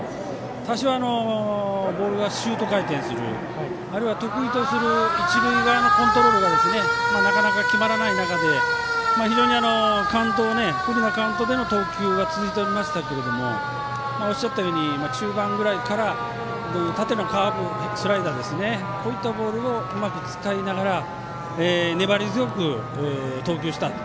多少、ボールがシュート回転するあるいは得意とする一塁側のコントロールがなかなか決まらない中で非常に不利なカウントでも投球続いておりましたけれどもおっしゃったように中盤ぐらいから縦のカーブ、スライダーですねこういったボールをうまく使いながら粘り強く投球したと。